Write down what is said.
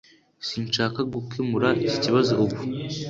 sinshaka gukemura iki kibazo ubu